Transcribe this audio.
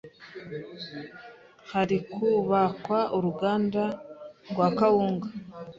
Hari kubakwa uruganda rwa kawunga